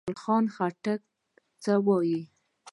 خوشحال خټک څه وايي؟